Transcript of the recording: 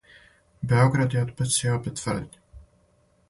Београд је одбацио обе тврдње.